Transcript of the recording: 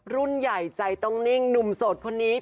รุ่นใหญ่ใจต้องนิ่งหนุ่มโสดคนนี้